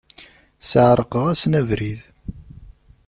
Sεerqeɣ-asen abrid.